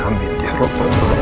amin ya allah